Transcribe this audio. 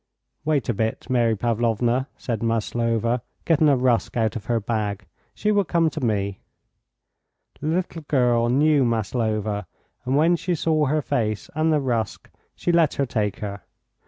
"Wait a bit, Mary Pavlovna," said Maslova, getting a rusk out of her bag; "she will come to me." The little girl knew Maslova, and when she saw her face and the rusk she let her take her.